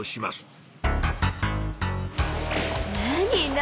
何？